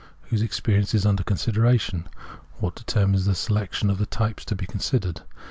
Whose experience is under consideration ? What determines the selection of the types to be con sidered